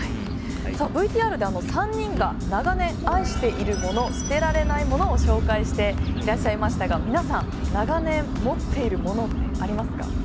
ＶＴＲで３人が長年愛しているもの捨てられないものを紹介してらっしゃいましたが皆さん、長年持っているものってありますか？